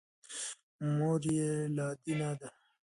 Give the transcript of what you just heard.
مور یې لادینه ده.